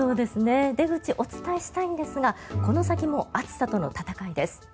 出口お伝えしたいんですがこの先も暑さとの闘いです。